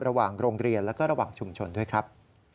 ระหว่างโรงเรียนและก็ระหว่างชุมชนด้วยครับ